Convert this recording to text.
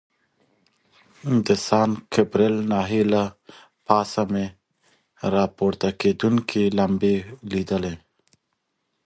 د سان ګبریل ناحیې له پاسه مې را پورته کېدونکي لمبې لیدلې.